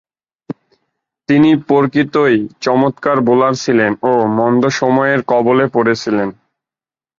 তিনি প্রকৃতই চমৎকার বোলার ছিলেন ও মন্দ সময়ের কবলে পড়েছিলেন।